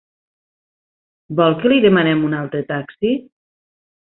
Vol que li demanem un altre taxi?